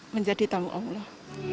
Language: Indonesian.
menjadi tamu allah